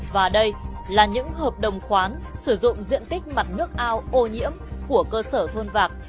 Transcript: và đây là những hợp đồng khoán sử dụng diện tích mặt nước ao ô nhiễm của cơ sở thôn vạc